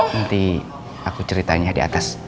nanti aku ceritain ya di atas